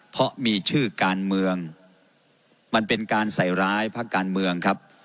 เพราะมีชื่อการเมืองมันเป็นการใส่ร้ายพักการเมืองครับ